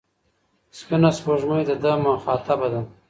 سپینه سپوږمۍ د ده مخاطبه ده.